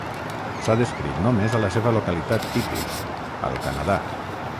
S'ha descrit només a la seva localitat tipus, al Canadà.